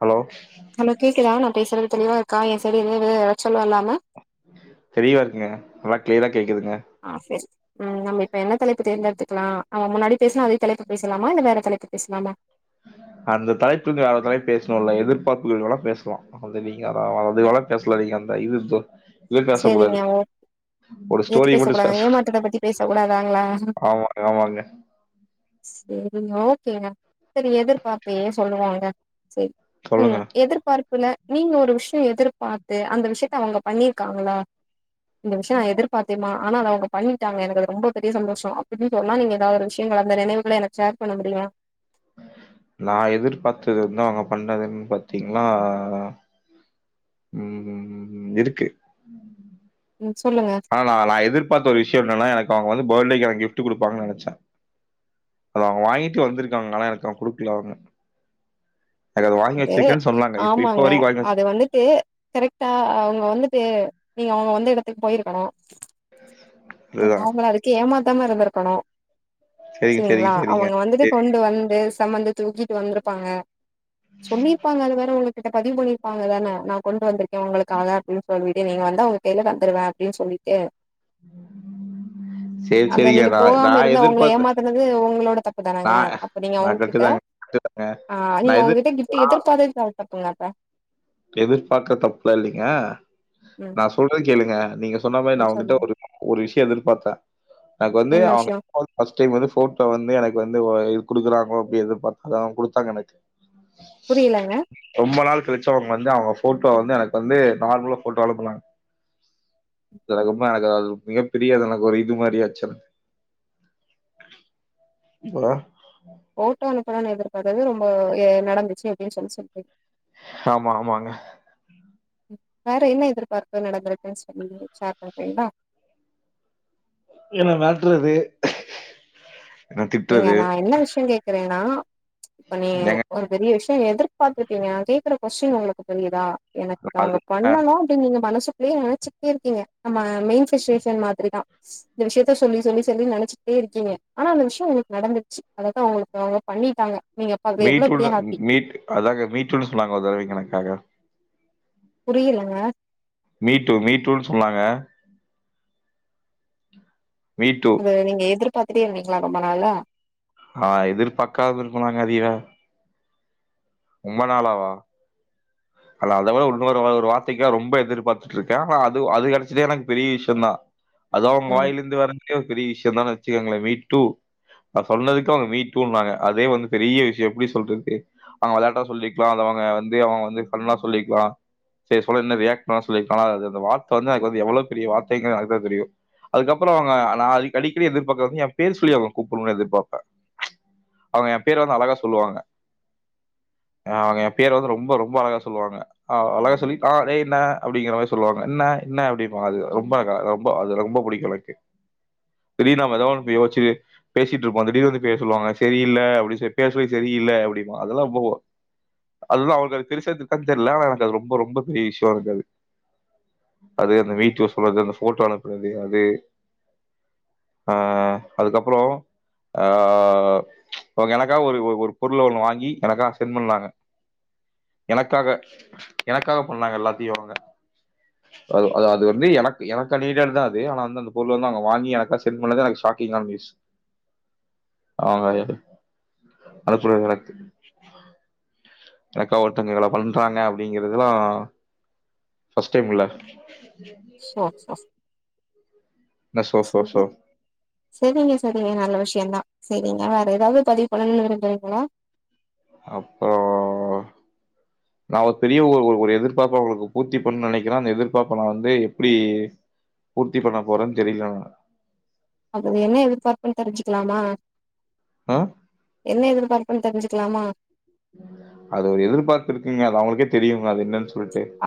Hello hello கேக்குதா நான் பேசுறது தெளிவா இருக்கா என் சரி லீவு தெரிவா இருக்குங்க [unintelligible] க்ளியரா ஆஹ் பேஸ் ம் நம்ம இப்ப என்ன தலைப்பு தேர்ந்தெடுக்குலாம் அவன் முன்னாடி பேசன அதே தலைப்பு பேசலாமா இல்ல வேற தலைப்பு பேசலாமா அந்த தலைப்புக்கு [unintelligible] பேசணும் இல்ல எதிர்பார்ப்புகள் வேணா பேசலாம் வந்து நீங்க அத அதுவேணா பேசலா நீங்க அந்த இது து பேச சரிங்க கூடாது ஓ ஒரு எது ஸ்டோரி மட்டு பேசக்கூடாது ஏமாற்றத்த பத்தி பேச கூடாதாங்களா ஆமா ஆமாங்க சரிங்க ஓகேங்க சரி எதிர்பாப்பே சொல்லுவாங்க சரி உம் சொல்லுங்க எதிர்பார்ப்புல நீங்க ஒரு விஷயம் எதிர்பாத்து அந்த விஷயத்த அவங்க பண்ணி க்காங்களா இந்த விஷயம் நா எதிர்பாத்தேமா ஆனா அத அவங்க பண்ணிட்டாங்க எனக்கு ரொம்ப பெரிய சந்தோஷம் திருப்பி சொன்ன நீங்க ஏதா ஒரு விஷயங்கள அந்த நினைவுகள எனக்கு ஷேர் பண்ண முடியுமா நான் எதிர்பாத்தது வந்து அவங்க பண்றதுன்னு பாத்தீங்கனா உஹம் உஹம் உம் இருக்கு ம் சொல்லுங்க ஆஹ் நா நான் எதிர்பாத்த ஒரு விஷயம் என்னனா எனக்கு அவங்க வந்து பர்டேக்கு எனக்கு கிஃப்ட் குடுப்பாங்கன்னு நெனச்ச அத அவங்க வாங்கிட்டு வந்துருக்காங்க ஆனா எனக்கு அவ குடுக்கல அவங்க எனக்கு அது வாங்கி று வச்சிருக்கேன்னு சொன்னாங்க இப்ப இப்ப ஆமாங்க வரைக்கு வாங்கி வச்சு அது வந்துட்டு கரெக்டா அவங்க வந்துட்டு நீங்க அவங்க வந்த எடத்துக்கு போயிருக்கணும் ம் அதுதா அவங்கள அதுக்கு ஏமா தாம இருந்திருக்கணும் சரிங்க சரிங்க சரிங்களா அவங்க சரிங்க வந்துட்டு கொண்டு வந்து [unintelligible] தூக்கிட்டு வந்துருப்பாங்க சொல்லிருப்பாங்க அது வேற உங்களுக் கிட்ட பதிவு பண்ணிருப்பாங்க தானே நா கொண்டு வந்திருக் க்கே உங்களுக்காக அப்டின் சொலிவிட்டு நீங்க வந்தா அவங்க கையில [unintelligible] தருவே அப்டின் சொல்லிட்டு சரி, அங்கே சரிங்க. நீங்க நான் போகாம நான் இருந்தா அவங்கள எதிர்பார்த்த ஏமாத்தினது உங்களோட தப்பு தானங்க நான் அப்ப நீங்க நான் அவங்ககிட்ட கரெக்ட்டு தாங்க கரெக்ட்டு தாங்க. ஆஹ் நீங்க நான் எதிர் அவங்ககிட்ட கிஃப்ட் எதிர்பாத்தது தப்புங்க வ எதிர்பாக்கற தப்பில்ல இல்லைங்க ம் நா சொல்றது கேளுங்க நீங்க சொன்ன மாரி நா ம், அவங்ககிட்ட சொல்லுங்க ஒரு ஒரு விஷ்யோ எதிர்பாத்தே எனக்கு வந்து என்ன அவங்க விஷயோ [inaudible] ஃபர்ஸ்ட் டைம் வந்து போட்டோ வந்து எனக்கு வந் இது குடுக்குறாங்களா அப்படி எதிர்பார்த்த தா குடுத்தாங்க எனக்கு புரியலங்க ரொம்ப நாள் கழிச் அவங்க வந்து அவங்க போட்டோ வந்து எனக்கு வந்து நார்மலா போட்டோ அனுப்புனாங்க எனக்கு இன்னு அது மிகப்பெரிய எனக்கு ஒரு இது மாரி ஆச்சுல்லங் ஹலோ போட்டோ அனுப்பனுன் எதிர்ப்கறது ரொம்ப எ நடந்துச்சு அப்படின் சொல்லி சொல்றீங் ஆமா ஆமாங்க வேற என்ன எதிர்பார்ப்பு நடந்துருக்குன்னு சொல்லி சேர் பண்ண போறீங்களா என்ன மெரட்றது நீங்க நா என்ன விஷ்யோ கேக்குறேனா இப்ப நீ ஏங்க ஒரு பெரிய விஷ்யோ எதிர்ப் பாத்துருக்கீங்க நா கேக்குற கொஸ்டின் உங்களுக்கு புரியுதா எனக்கு அது அவங்க அ பண்ணலா அப்படின் நீங்க மனசு அப்படியே நினைச்சிட்டே இருக்கீங்க நம்ம [unintelligible] மாதிரி தா இந்த விஷயத்த சொல்லி சொல்லி சொல்லி நெனச்சிட்டே இருக்கீங்க ஆனா அந்த விஷ் யோ உங்களுக்கு நடந்துச்சு அதத்தா உங்களுக்கு அவங்க பண்ணிட்டாங்க நீங்க அப்ப அதுல எவ்ளோ மீட்டுள்ள பெரிய ஹாப்பி மீட் அதாக மீட்டுன்னு சொன்னாங்க ஒரு தடவைங்க எனக்காக புரியலங்க மீட்டூ மீட்டூன் சொன்னாங்க மீ டூ. அது நீங்க எதிர்ப் பாத்துட்டே இருந்தீங்களா ரொம்ப நாளா ஆஹ் எதிர் பாக்காம இருப்பனாங்க அதிவ ரொம்ப நாளாவா ஆன அத விட இன்னொரு ஒரு ஒரு வார்த்தைக்காக ரொம்ப எதிர்பார்த்துட்ருக்கே ஆனா அது அது கிடைச்சதே எனக்கு பெரிய விஷ்யந்தா அதா அவங்க ம் வாயில இருந்து வர [unintelligible] ஒரு பெரிய விஷ்யந்தானே வச்சுக்கோங்களே மீ டூ நா சொன்னதுக்கு அவங்க மீ டூன்னாங்க அதே வந்து பெரிய விஷ்யோ எப்டி சொல்றது அவங்க வெளையாட்டா சொல்லிருக்கலா அத அவங்க வந்து அவ வந்து ஃபிரண்டா சொல்லிருக்கலா சேர் சொல்லைல என்ன ரியாக்ட் பண்ண சொல்லிருக்கலா அந்த வார்த்த வந்து அது எனக் வந்து எவ்வளவு பெரிய வார்த்தைங்க எனக்குதா தெரியு அதுக்கப்புறோ அவங்க நா அ அடிக்கடி எதிர்பாக்கறது வந்து எ பேர் சொல்லி அவுங்க கூப்பிடணுன் எதிர்பாப்பே அவங்க என் பேர் வந்து அழகா சொல்லுவாங்க அவங்க எம் பேர வந்து ரொம்ப ரொம்ப அழகா சொல்லுவாங்க அழகா சொல்லி அ டே என்ன அப்படிங்கற மாரி சொல்லுவாங்க ன்ன ன்ன அப்படிம்பாங்க அது ரொம்ப அழ ரொம்ப அது ரொம்ப புடிக்கு எனக்கு திடீர்னு நம்ம ஏதோ ஒன்னு யோசிச்சு பேசிட்டு இருப்போ திடீர் வந்து பேர் சொல்லுவாங்க சரியில்ல அப்புடி சொல் பேர் சொல்லி சரியில்ல அப்படி அதெல்லா போவோ அததுல்லா அவங்ளுக்கு அது தெரிசு தா தெரியல ஆனா எனக்கு அது ரொம்ப ரொம்ப பெரிய விஷயமா இருக்கு அது அது அந்த வீட்டோ சொல்றது அந்த ஃபோட்டோனு அது அ அதுக்கப்புற அ அவங்க எனக்காக ஒரு ஒரு பொருள ஒன்னு வாங்கி எனக்கா சென்ட் பண்ணாங்க எனக்காக எனக்காக பண்ணாங்க எல்லாத்தையு அவங்க அது அது வந்து எனக்கு நீடெடு தா அது ஆனா வந்து அந்த பொருள வாங்கி எனக்காக சென்ட் பண்ணது எனக்கு ஷாக்கிங் ஆன நியூஸ் அவுங்க அது [unintelligible] ஆஹ் எனக்காக ஒருத்தவங்க இவ்வள பண்றாங்க அப்படிங்கறதல்லா ஃபஸ்ட் டைம் இல்ல [inaudible] என்ன சோ சோ சோ சரிங்க சரிங்க நல்ல விஷய தா சரிங்க வேற ஏதாவது பதிவு பண்ணனு விரும்புறீங்களா அப்புற நா ஒரு பெரிய ஒ ஒரு எதிர்பார்ப்ப உங்களுக்கு பூர்த்தி பண்ணனு நெனைக்கறே அந்த எதிர்பார்ப்ப நாவந்து எப்புடி பூர்த்தி பண்ண போறேன்னு தெரில ஆனா அப்படி என்ன எதிர்பார்ப்புன்னு தெரிஞ்சுக்கலாமா ஆ என்ன எதிர்பார் ன்னு தெரிஞ்சுக்கலாமா அது ஒரு எதிர்பார்ப்பு இருக்குங்க அது அவங்களுக்கே தெரியுங்க அது என்னன்னு சொ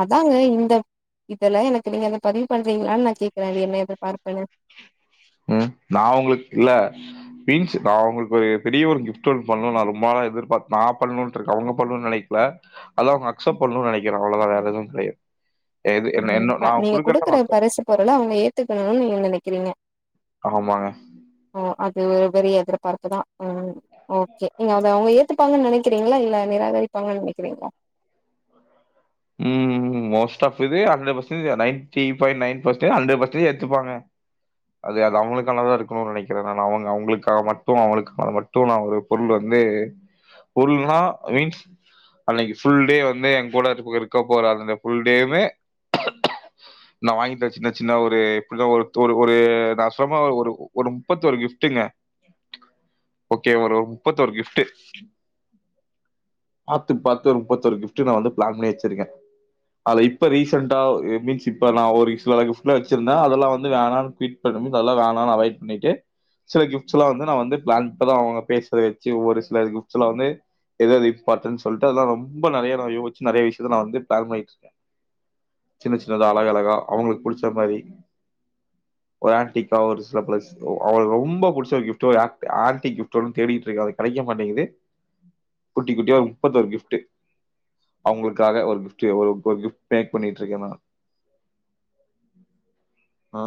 அதாங்க இந்த இதெல்லா எனக்கு நீங்க பதிவு பண்றீங்களான்னு நா கேக்கறே அது என்ன எதிர்பார்ப்புன்னு உம் நா உங்களுக்கு இல்ல மீன்ஸ் நா உங்களுக்கு ஒரு பெரிய ஒரு கிப்ட் ஒன்னு பண்ணனு நா ரொம்ப நாளா எதிர்பார் நா பண்ணணுனு இருக்க அவங்க பண்ணணுனு நெனைக்கல அத அவுங்க அக்செப்ட் பண்ணனு நெனைக்கிற அவ்ளதா வேற எதுவு கெடையாது எது என்ன என்ன [unintelligible] நான் நீங்க குடுக்கறத அவங்க குடுக்குற அக்செப்ட் பரிசு பொருள அவங்க ஏத்துக்கணுனு நீங்க நெனைக்கிறீங்க ஆமாங்க ஓ அது ஒரு பெரிய எதிர்பார்ப்புதா உ ஓகே நீங்க அத அவுங்க ஏத் துப்பாங்கன்னு நெனைக்கிறீங்களா இல்ல நிராகரிப்பாங்கன்னு நெனைக்கிறீங்களா ம் மோஸ்ட் ஆஃப் இது hundred percentage ninety point nine percentage hundred percentage ஏத்துப்பாங்க அது அது அவங்களுக்கானதா இருக்கு நெனைக்கிறே நா அவுங்க அவுங்களுக்காக மட்டு அவுங்களுக்காக மட்டு நா ஒரு பொருள் வந்து பொருள்னா மீன்ஸ் அன்னைக்கு ஃபுல் டே வந்து எங் கூட இருக் இருக்கப் போற அந்த ஃபுல் டே வுமே நா வாங்கி தர சின்ன சின்ன ஒரு பிள்ள ஒரு த ஒரு ஒரு நா சொன்ன ஒரு ஒரு முப்பத்தொரு கிஃப்ட் ங்க ஓகே ஒரு முப்பத்தொரு கிஃப்ட் பாத்து பாத்து முப்பத்தொரு கிஃப்ட் நா வந்து ப்ளேன் பண்ணி வச்சிரு க்கே அத இப்ப ரீசண்டா மீன்ஸ் இப்ப நா ஒரு சில கிஃப்ட்லா வச்சிருந்தா அதெல்லா வந்து வேணான்னு [unintelligible] அதெல்லாம் வேணான்னு அவாய்ட் பண்ணிட்டு சில கிஃப்ட்ஸ்லா வந்து நா வந்து ப்ளேங்க் ஆ அவங்க பேசறத வச்சு ஒரு சில கிஃப்ட்ஸ் எல்லா வந்து எது எது இம்பார்டன்ட் சொல்ட்டு அதெல்லா ரொம்ப நெறைய நா யோசிச்சு நெறைய விஷய இது நா வந்து பிளான் பண்ணிட்டு இருக்கே சின்ன சின்னதா அழகழகா அவுங்குளுக்கு புடிச்ச மாரி ஒரு ஆண்ட்டி கா ஒரு சில ப அவங்குளுக்கு ரொம்ப புடிச்ச ஒரு கிஃப்ட் ஆன்டி ஆன்டிக் கிஃப்ட் ஒன்னு தேடிட்டு இருக்கே அது கெடைக்க மாட்டேங்குது குட்டி குட்டியா ஒரு முப்பத்தொரு கிஃப்ட் அவுங்களுக்கு க்காக ஒரு கிஃப்ட் ஒரு கிஃப்ட் பேக் பண்ணிட்டு இருக்கே நா ஆ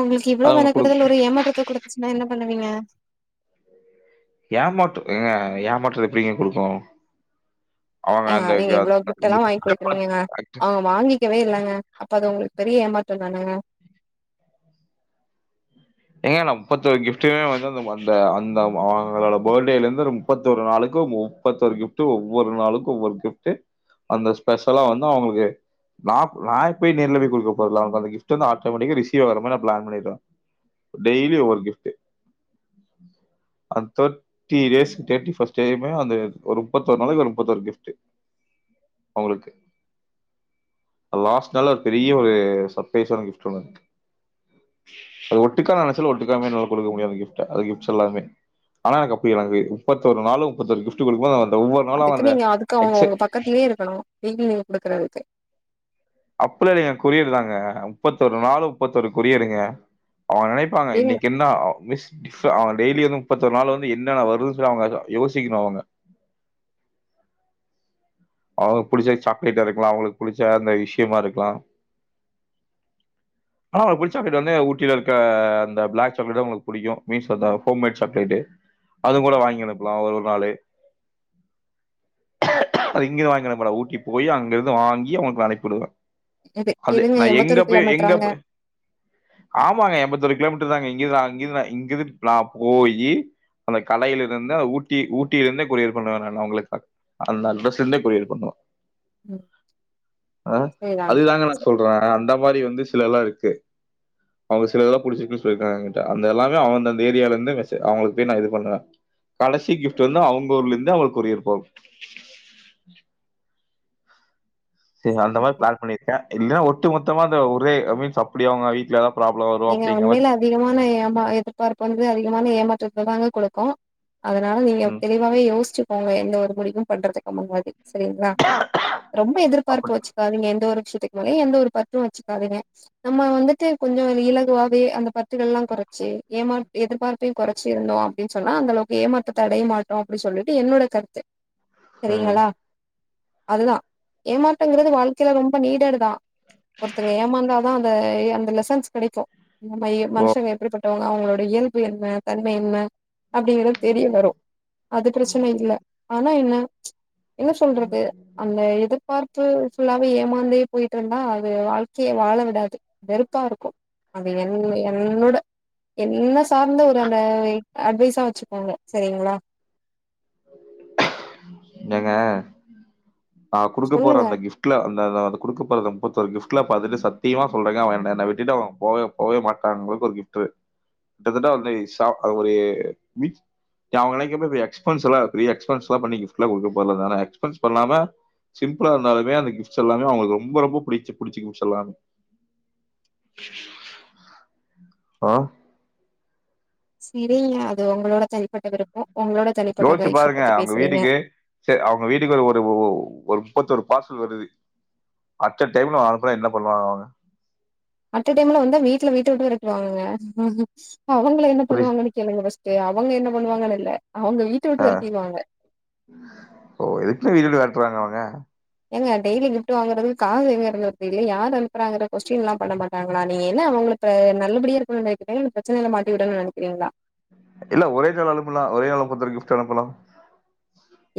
உங்களுக்கு இவளோ அது மென அவங்களுக்கு கெடுதல் ஒரு குடுக் ஏமாற்றத்த குடுத்துச்சுன்னா என்ன பண்ணுவீங்க ஏமாற்ற ஏங்க ஏமாற்றத்த எப்புடிங்க குடுக்கு ஏங்க நீங்க இவ்ளோ கிஃப்ட் எல்லா வாங்கி குடுக்குறீங்கங்க அவுங்க வாங்கிக்கவே இல்லங்க அப்ப அது உங்களுக்கு பெரிய ஏமாற்றந் தானங்க ஏங்க நா முப்பத்தி ஒரு கிஃப்ட்டுமே வந்து அந்த அந்த அந்த அவங்களோட பர்த்டேல இருந்து ஒரு முப்பத்த ஒரு நாளுக்கு முப்பத்தொரு கிஃப்ட் ஒவ்வொரு நாளுக்கு ஒவ்வொரு கிஃப்ட் அந்த ஸ்பெஷலா வந்து அவங்களுக்கு நா நாய் போய் நேர்ல போய் குடுக்க போறதில்ல அவுங்களுக்கு அந்த கிஃப்ட் வந்து ஆட்டோமேட்டிக்கா ரிசீவ் ஆகுற மாரி நா பிளான் பண்ணிருக்க டெய்லி ஒவ்வொரு கிஃப்ட் அந்த தேட்டி டேஸ் தேட்டி ஃபர்ஸ்ட் டே வுமே அது ஒரு முப்பத்தொரு நாளைக்கு ஒரு முப்பத்தொரு கிஃப்ட் அவங்களுக்கு லாஸ்ட் நாளு ஒரு பெரிய ஒரு சர்ப்ரைஸ் ஆன கிஃப்ட் ஒண்ணு இருக்கு அது ஒட்டுக்கா நெனைச்சாலு ஒட்டுக்காவுமே என்னால குடுக்க முடியாது அந்த கிஃப்ட் அ அந்த கிஃப்ட்ஸ் எல்லாமே ஆனா எனக்கு [unintelligible] முப்பத்தொரு நாளு முப்பத்தொரு கிஃப்ட் குடுக்கும்போது அவ அத அதுக்கு நீங்க அதுக்கு அவுங்க ஒங்க பக்கத்லயே இருக்கணு வீக்லி நீங்க குடுக்குறதுக்கு அப்புலா இலங்க கொரியர் தாங்க முப்பத்தொரு நாலு முப்பத்தொரு கொரியருங்க அவுங்க நெனைப்பாங்க ஏங்க இன்னைக்கென்னா மிஸ் அவுக டெய்லி வந்து முப்பத்தொரு நாள் வந்து என்னென வரு அவுங்க யோசிக்கணு அவுங்க அவ புடுச்ச சாக்லேட்ட இருக்கலா அவுங்களுக் புடுச்ச அந்த விஷ்யமா இருக்லா ஆனா அவளுக்புடுச்சாக்லேட் வந்து ஊட்டில இருக்க அந்த ப்ளாக் சாக்லேட் தா அவுங்களுக் புடிக்கு [unintelligible] ஹோம்மேட் சாக்லேடு் அதுவ் கூட வாங்கி அனுப்லா ஒரு நாளு அது இங்கெது வாங்கிஅனுப்மாட ஊட்டி போயி அங்கிருந்து வாங்கி அவுங்களுக் நா அனுப்பிவுடுவே இது அது எதுங்க நா எங்க எம்பத்தொரு போய் எங்கப் கிலோமீட்டராங்க ப ஆமாங்க எம்பத்தொரு கிலோமீட் [unintelligible] இங்கெதா இங்கெதா இங்கிது நா போயி அந்த கலைலெருந்து ஊட்டி ஊட்டிலெந்து கொரியர் பண்றே நானு அன் அவுங்களுக்கா அந்த அந்தஸ் கொரியர் பண்ணுவே ம் அ சரிதாங்க அதுதாங்க நா சரி சொல்றே அந்த [unintelligible] மாரி வந்து சில எல்லா இருக்கு அவுங்க சில இதெல்லா புடுச்சிருக்குன் சொல்லிருக்காங்க எங்கிட்ட அந்த எல்லாமே அவ அந்தந்த ஏரியாலந்து வெஸ அவுங்களுக் போய் நா இது பண்ணுவே கடைசி கிஃப்ட் வந்து அவுங்கூர்லெந்து அவுங்களுக் கொரியர் போவு சே‌ அந்த மாரி சரிங்க ப்ளான் பண்ணிர்க்கே இல்லெனா ஒட்டு மொத்தமாந்த ஒரே அ மீன்ஸ் அப்டி அவுங்க வீட்ல எதா நீங்க உண்மைல அதிகமான ஏமா எதிர்பார்ப்பு வந்து அதிகமான ஏமா ற்றத்த தாங்க கொடுக்கூ அதனால நீங்க ம். தெளிவாவே யோஸ்ச்சுக்கோங்க தோ ஒரு முடிவும் பண்றதுக்கு முண்ணடி செரிங்ளா ரொம்ப எதிர்பார்ப்பு அப்படி வச்சுக்காதிங்க எந்த ஒரு விஷ்ய துக்மேலயு எந்த ஒரு பத்து வச்சுக்காதீங்க நம்ம வந்துட்டு கொஞ்சோ இலகுவாவே அந்த பத்துகள்லா கொறச்சு ஏமா எதிர்பார்ப்பையு கொறச்சு இருந்தோ அப்டின் சொன்னா அந்தளவுக்கு ஏமாற்றத்த அடைய மாட்டோ அப்டி சொல்லிட்டு என்னோட கருத்து ம். செரிங்களா அதுதா ஏமாட்டங்குறது வாழ்க்கைல ரொம்ப நீடட் தா ஒருத்தங்க ஏமாந்தாதா அந்த அந்த லெசன்ஸ் கெடைக்கூ நமைய மனுஷங்க எப்டி பட் அவுங்களோட இயல்பு என்ன தன்மை என்ன அப்டிங்கிறது தெரிய வரு அது பிரச்சன இல்ல ஆனா என்ன என்ன சொல்றது அந்த எதிர்பார்ப்பு ஃபுல்லாவே ஏமாந்தே போயிட்ருந்தா அது வாழ்கைய வாழ விடாது வெறுப்பாருக்கூ அது என் என்னொட என்ன சார்ந்த ஒரு அந்த வெ அட்வைஸ் ஸா வச்சுக்கோங்க செரிங்ளா என்னங்க நா குடுக்க போற சொல்லுங்க அந்த கிஃப்ட்ல அந் நா த அத குடுக்கப் போற அந்த முப்பத்தொரு கிஃப்ட்ல பாதுட்டு சத்தியமா சொல்றங்க அவ என்ன என்ன விட்டுட்டு அவ‌ போவே போவே மாட்டாந்தளவுக் ஒரு கிஃப்ட்டு கிட்டதட்ட அதெ ஸா அது ஒரு மீட் [unintelligible] எக்ஸ்பென்ஸ்லா பெரிய எக்ஸ்பென்ஸ்லா பண்ணி கிஃப்ட்லா குடுக்கப்போல ஆனா எக்ஸ்பென்ஸ் பண்ணாம சிம்புளா இருந்தாலுமே அந்த கிஃப்ட்ஸ் எல்லாமே அவுங்களுக்கு ரொம்ப ரொம்ப புடிச்ச புடுச்ச கிஃப்ட்ஸ் எல்லா ஆ செரிங்க அது உங்களோட தனிப்பட்ட விருப்பொ யோஸ்ச்சு பாருங்க அவுங்க வீட்டுக்கு ச அவுங்க வீட்டுக்கு ஒரு ஒரு ஒ‌ ஒ ஒரு முப்பத்தொரு பார்சல் வருது அட்ட டைம்ல அனுபுனா என்ன பண்ணுவாங்க அவங்க அட்ட டைம்ல வந்தா வீட்ல வீட்ட விட்டு விரட்டுவாங்க கா அவங்கள என்ன புரியுது பண்ணுவாங்கன்னு கேளுங்க ஃபர்ஸ்ட் அவங்க என்ன பண்ணுவாங்கன்னு இல்ல அவங்க வீட்ட விட்டு ஆ, வெரட்டிருவாங்க விட்டுறாங்க அவங்க ஏங்க டெய்லி கிப்ட் வாங்குறது காசு எங்க இருந்து வருது யாரு அனுப்புறாங்குற கொஸ்டின்லா பண்ண மாட்டாங்களா நீ என்ன அவங்கள நல்லபடியா இருக்கணும்னு நெனைக்கிறீங்களா இல்ல பிரச்சனையில மாட்டி விடணும்னு நெனைக்கிறீங்களா இல்ல ஒரே நாள் அனுப்புனா ஒரே [unintelligible] கிஃப்ட் அனுப்புனா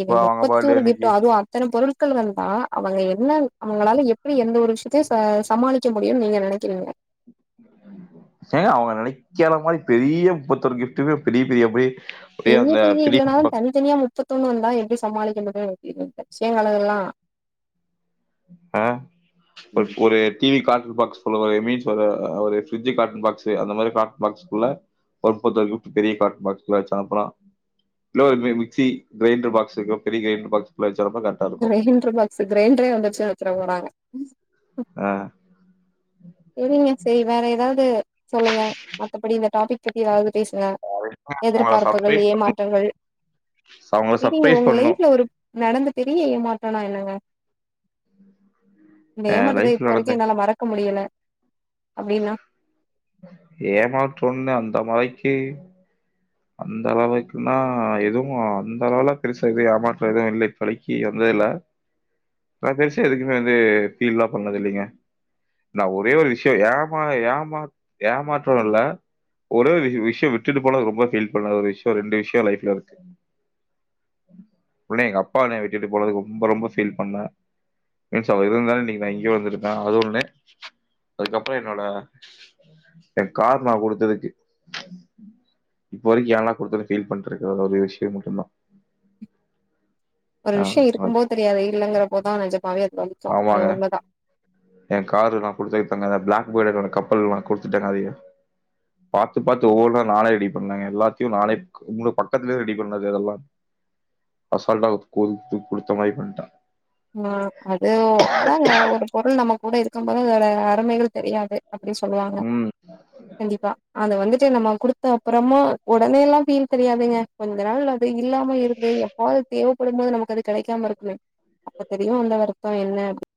எங்க முப்பத்து ஒரு கிப்ட் அதுவு அத்தன பொருள் கள் வந்தா அவங்க என்ன அவங்களால எப்டி எந்த ஒரு விஷயத்தையு ச சமாளிக்க முடியும்னு நீங்க நெனைக்கிறீங்க ஏங்க அவங்க நெனைக்கிற மாரி பெரிய முப்பத்து ஒரு கிஃப்டுமே பெரிய பெரிய பை எனிய பெரிய இல்லைனாலு தனித்தனியா முப்பத்தொண்ணு வந்தா எப்டி சமாளிக்க முடியு இப்ப பச்சியவழகலா அஹ் ஒரு ஒரு டிவி கால் பாக்ஸ் ஃபுல்லா ஒரு இமேஜ் வர அவரு பிரிட்ஜ் கார்ட்டன் பாக்ஸ், அந்த மாதிரி கார்ட்டன் பாக்ஸ் உள்ள ஒரு முப்பது ஒரு கிப்ட் பெரிய கார்ட்டன் பாக்ஸ்ல வச்சு அனுப்புனா இல்ல ஒரு மி மிக்ஸி, கிரைண்டர் பாக்ஸ் இருக்கு, பெரிய கிரைண்டர் பாக்ஸ்க்குள்ள வச்சு அனுப்புனா கரெக்டா இருக்கும். கிரைண்டர் பாக்ஸ் கிரைண்டரே வந் [unintelligible] போறாங்க ஆஹ் இல்லங்க சரி வேற ஏதாவது சொல்லுங்க மத்தபடி இந்த டாபிக் பத்தி ஏதாவது பேசுங்க அவங்கள எதிர்பார்ப்புகள் சர்ப்ரைஸ் ஏமாற்றங்கள் அவங்கள சரிங்க சர்ப்ரைஸ் உங்க பண்ணணும். லைஃப்ல ஒரு நடந்து பெரிய ஏமாற்றனா என்னங்க இந்த என் ஏமாற்றத்தை லைஃப்ல இப்போ வரைக்கு நடந்த என்னால மறக்க முடியல அப்டின்னா ஏமாட்டோன்னு அந்த மறைக்கு அந்த அழவைக்கு நா எதுவு அந்த அளவுல பெருசா எதுவு ஏமாற்றம் எதுவும் இல்ல இப்போதைக்கு வந்தது இல்ல பெருசா எதுக்குமே வந்து ஃபீல் எல்லாம் பண்ணது இல்லைங்க நா ஒரே ஒரு விஷயம் ஏமா ஏமா ஏமாற்றோ இல்ல ஒரே ஒரு விஷயம் விட்டுட்டு போனது ரொம்ப ஃபீல் பண்ணுன விஷயம் ரெண்டு விஷயம் லைஃப்ல இருக்கு ஒன்னு எங்க அப்பா என்ன விட்டுட்டு போனதுக்கு ரொம்ப ரொம்ப ஃபீல் பண்ணன் மீன்ஸ் அவர் இருந்தாலே இன்னைக்கு நான் இங்க வந்திருக்கன் அது ஒன்னு அதுக்கப்புறம் என்னோட எ கார் நா குடுத்ததுக்கு இப்போ வரைக்கு ஏன்டா குடுத்தே ஃபீல் பண்ணிட்டு இருக்க ஒரே விஷயோ அது மட்டும்தா ஒரு விஷயோ இருக்கு போது தெரியாது இல்லங்கிறபோ போது நிஜமாவே வலிச்சு ஆமாங்க. அது உண்மைதா என் காரு நா குடுத்ததுக்கு இப்பதா பிளாக் பேர்ல் கப்பல் எல்லா குடுத்துட்டாங்க அதையு பாத்து பாத்து ஒவ்வொன்னா நானே ரெடி பண்ணுங்க எல்லாத்தையு நானே உங்களுக்கு பக்கத்துலயே ரெடி பண்ணுனது இதெல்லா அசால்ட்டா கு துங்கி குடுத்த மாரி பண்ணிட்டன் ஆஹ அது அதாங்க ஒரு பொருள் நமக் கூட இருக்கு போது அதடோ அருமைகள் தெரியாது அப்டின்னு சொல்லுவாங்க ம். கண்டிப்பா அத வந்துட்டு நம்ம குடுத்த அப்புறமா உடனே எல்லா ஃபீல் தெரியாதுங்க கொஞ்ச நாள் அது இல்லாம இருந்து எப்பாவது தேவைப்படும்போது நமக்கு அது கெடைக்காம இருக்குமே அப்ப தெரியு அந்த வருத்தோ என்ன அப்